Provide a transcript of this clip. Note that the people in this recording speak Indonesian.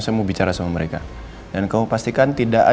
sebenarnya faher ini yakni pada nggak ya